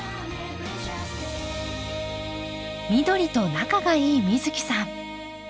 緑と仲がいい美月さん。